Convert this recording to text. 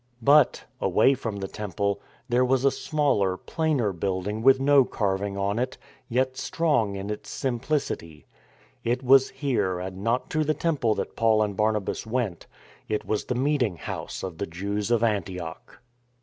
But — away from the temple — there was a smaller, plainer building with no carving on it — yet strong in its simplicity. It was here and not to the temple that Paul and Barnabas went. It was the meeting house of the Jews of Antioch.